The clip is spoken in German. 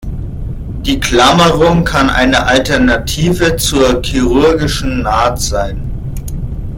Die Klammerung kann eine Alternative zur chirurgischen Naht sein.